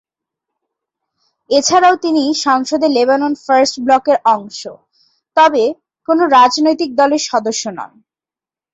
এছাড়াও, তিনি সংসদে লেবানন ফার্স্ট ব্লকের অংশ, তবে কোনও রাজনৈতিক দলের সদস্য নন, তাকে কেন্দ্রিক ব্যক্তিত্ব হিসাবে পরিণত করেছেন।